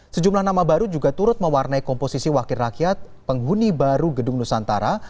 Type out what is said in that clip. sejumlah nama baru juga turut mewarnai komposisi wakil rakyat penghuni baru gedung nusantara